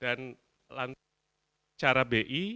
dan lantai cara bi